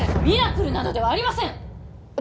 ミラクルなどではありません！